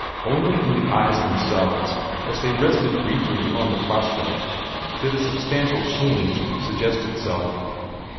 Only in the eyes themselves, as they rested briefly upon the prospect, did a substantial change suggest itself.